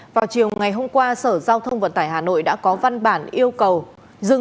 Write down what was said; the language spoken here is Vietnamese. vào chiều ngày hôm qua sở giao thông vận tải hà nội đã có văn bản yêu cầu dừng